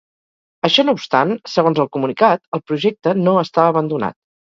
Això no obstant, segons el comunicat, el projecte no està abandonat.